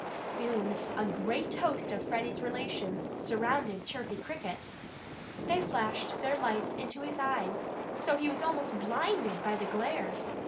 Soon a great host of Freddie's relations surrounded Chirpy Cricket. They flashed their lights in his eyes, so that he was almost blinded by the glare.